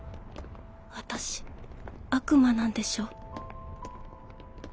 私悪魔なんでしょ？